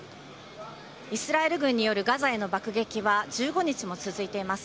イスラエル軍によるガザへの爆撃は１５日も続いています。